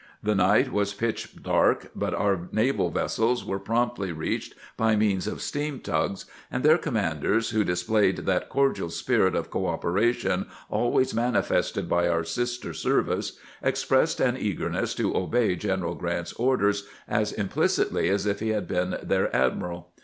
The night was pitch dark, but our naval vessels were promptly reached by means of steam tugs; and their commanders, who displayed that cordial spirit of cooperation always man ifested by our sister service, expressed an eagerness to obey General Grant's orders as implicitly as if he had been their admiral.